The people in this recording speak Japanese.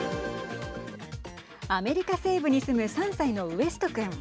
アメリカ西部に住む３歳のウエスト君。